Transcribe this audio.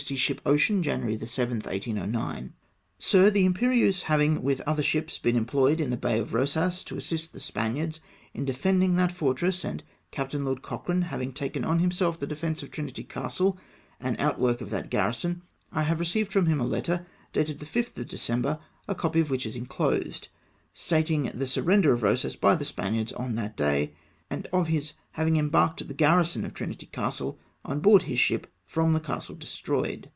Ship Ocean, Jan. 7. 1809. " Sir, — The Lmperieuse having with other ships been employed in the Bay of Rosas, to assist the Spaniards in de fending that fortress, and Captain Lord Cochrane having taken on himself the defence of Trinity Castle, an outwork of that garrison, I have received from him a letter, dated the 5th of December, a copy of which is enclosed, stating the surrender of Rosas by the Spaniards on that day, and of his having embarked the garrison of Trinity Castle on board his ship from the castle destroyed.